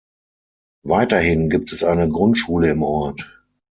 Weiterhin gibt es eine Grundschule im Ort.